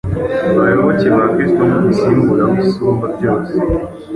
bayoboke ba Kristo nk’umusimbura w’Isumbabyose.